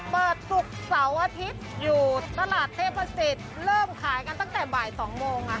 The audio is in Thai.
ศุกร์เสาร์อาทิตย์อยู่ตลาดเทพศิษย์เริ่มขายกันตั้งแต่บ่าย๒โมงค่ะ